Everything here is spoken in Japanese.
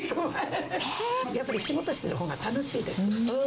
やっぱり仕事してるほうが楽しいです。